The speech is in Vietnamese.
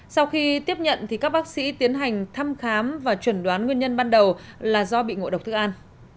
sau khi tiếp nhận các bác sĩ tiến hành thăm khám và chuẩn đoán nguyên nhân ban đầu là do bị ngộ độc thức ăn